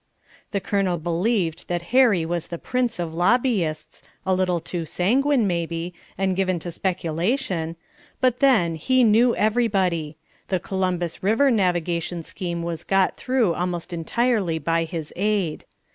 The Colonel believed that Harry was the prince of lobbyists, a little too sanguine, may be, and given to speculation, but, then, he knew everybody; the Columbus River navigation scheme was got through almost entirely by his aid.